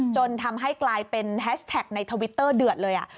จนทำให้กลายเป็นแฮชแท็กในทวิตเตอร์เดือดเลย